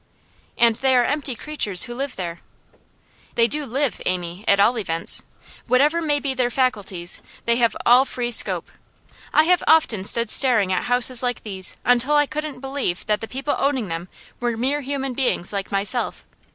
'And they are empty creatures who live there.' 'They do live, Amy, at all events. Whatever may be their faculties, they all have free scope. I have often stood staring at houses like these until I couldn't believe that the people owning them were mere human beings like myself.